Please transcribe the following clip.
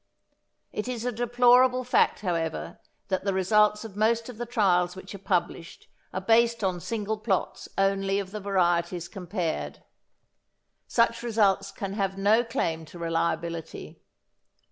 It is a deplorable fact however that the results of most of the trials which are published are based on single plots only of the varieties compared. Such results can have no claim to reliability.